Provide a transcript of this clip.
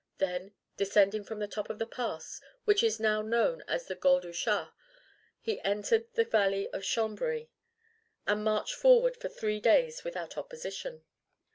Then descending from the top of the pass, which is now known as the Gol du Chat, he entered the valley of Chambery, and marched forward for three days without opposition.